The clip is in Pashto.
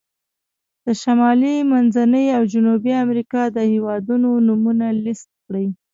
د شمالي، منځني او جنوبي امریکا د هېوادونو نومونه لیست کړئ.